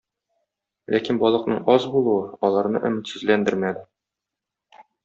Ләкин балыкның аз булуы аларны өметсезләндермәде.